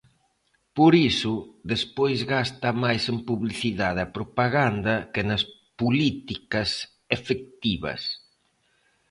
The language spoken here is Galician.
Por iso despois gasta máis en publicidade e propaganda que nas políticas efectivas.